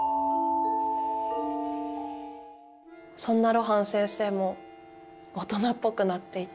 そんな露伴先生も大人っぽくなっていて。